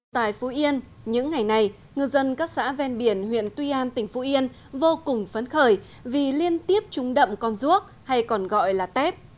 tại phú yên những ngày này ngư dân các xã ven biển huyện tuy an tỉnh phú yên vô cùng phấn khởi vì liên tiếp trúng đậm con ruốc hay còn gọi là tép